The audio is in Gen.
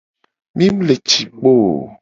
Mi mu le ci kpo o.